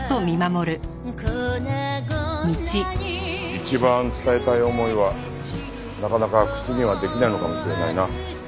一番伝えたい思いはなかなか口にはできないのかもしれないな。